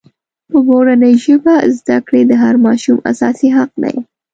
په مورنۍ ژبه زدکړې د هر ماشوم اساسي حق دی.